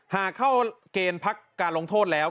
หากเข้าเกณฑ์พักการลงโทษแล้ว